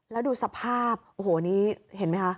แล้วดูสภาพโอ้โหนี้เห็นไหมคะ